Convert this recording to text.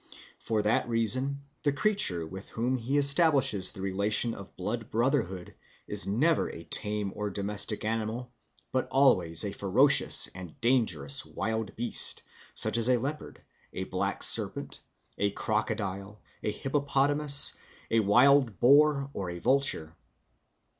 For that reason the creature with whom he establishes the relation of blood brotherhood is never a tame or domestic animal, but always a ferocious and dangerous wild beast, such as a leopard, a black serpent, a crocodile, a hippopotamus, a wild boar, or a vulture.